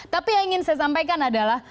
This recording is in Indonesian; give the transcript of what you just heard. tapi yang ingin saya sampaikan adalah